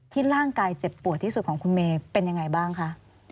ร่างกายเจ็บปวดที่สุดของคุณเมย์เป็นยังไงบ้างคะ